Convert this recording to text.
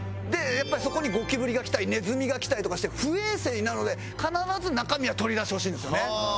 でやっぱりそこにゴキブリが来たりネズミが来たりとかして不衛生なので必ず中身は取り出してほしいんですよね。